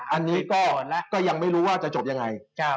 อันนี้ก็ยังไม่รู้ว่าจะจบยังไง